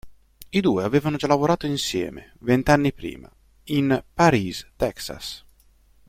I due avevano già lavorato insieme, vent'anni prima, in "Paris, Texas".